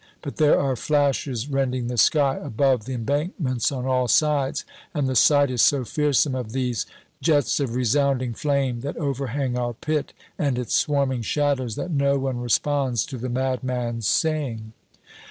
But there are flashes rending the sky above the embankments on all sides, and the sight is so fearsome of these jets of resounding flame that overhang our pit and its swarming shadows that no one responds to the madman's saying.